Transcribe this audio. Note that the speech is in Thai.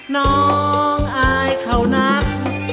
น้องอายเขานัก